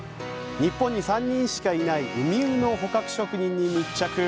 日本に３人しかいないウミウの捕獲職人に密着。